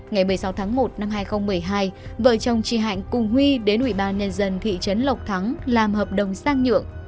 ngày một mươi sáu tháng một năm hai nghìn một mươi hai vợ chồng chị hạnh cùng huy đến ubnd thị trấn lộc thắng làm hợp đồng sang nhượng